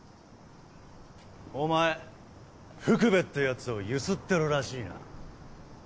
お前幅部ってヤツをゆすってるらしいなぁ？